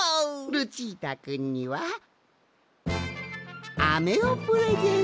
ルチータくんにはアメをプレゼント。